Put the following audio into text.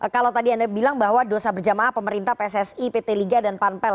kalau tadi anda bilang bahwa dosa berjamaah pemerintah pssi pt liga dan panpel